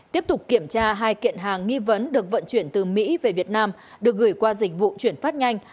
tiếp tục kiểm tra hai kiện hàng nghi vấn được vận chuyển từ mỹ về việt nam được gửi qua dịch vụ chuyển phát nhanh